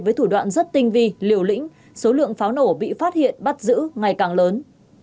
với thủ đoạn rất tinh vi liều lĩnh số lượng pháo nổ bị phát hiện bắt giữ ngày càng lớn